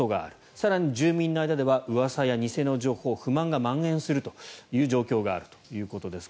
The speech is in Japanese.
更に、住民の間ではうわさや偽の情報不満がまん延するということです。